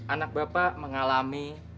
anak bapak mengalami